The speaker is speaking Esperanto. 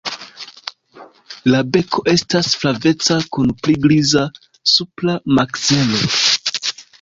La beko estas flaveca kun pli griza supra makzelo.